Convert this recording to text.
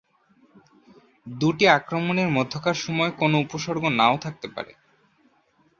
দুটি আক্রমণের মধ্যকার সময়ে কোন উপসর্গ নাও থাকতে পারে।